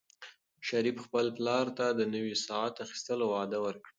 شریف خپل پلار ته د نوي ساعت اخیستلو وعده ورکړه.